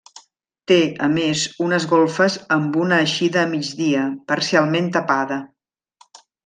Té, a més unes golfes amb una eixida a migdia, parcialment tapada.